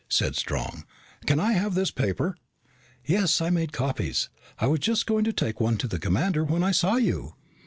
said Strong. "Can I have this paper?" "Yes. I made copies. I was just going to take one to the commander when I saw you."